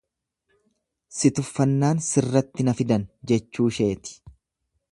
Si tuffannaan sirratti na fidan jechuusheeti.